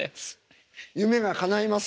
夢がかないます